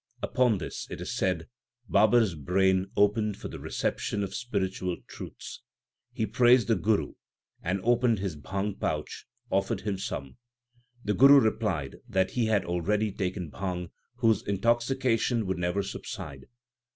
Upon this, it is said, Babar s brain opened for the reception of spiritual truths. He praised the Guru, and opening his bhang pouch, offered him some. The Guru replied that he had already taken bhang whose intoxication would never subside.